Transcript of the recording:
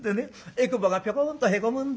えくぼがぴょこんとへこむんだ。